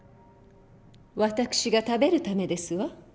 私が食べるためですわ。